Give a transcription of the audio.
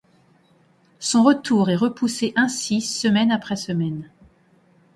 Son retour est repoussé ainsi semaine après semaine.